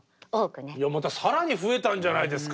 また更に増えたんじゃないですかね。